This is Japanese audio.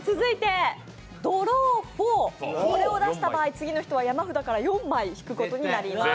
ドロー４を出した場合、次の人は山札から４枚引くことになります。